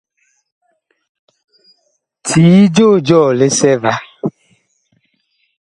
Cii joo jɔɔ lisɛ va.